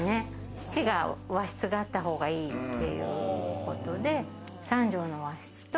父が和室があったほうがいいっていうことで、３帖の和室と。